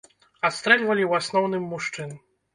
Адстрэльвалі ў асноўным мужчын.